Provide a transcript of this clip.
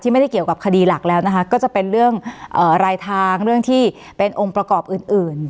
ไม่ได้เกี่ยวกับคดีหลักแล้วนะคะก็จะเป็นเรื่องรายทางเรื่องที่เป็นองค์ประกอบอื่น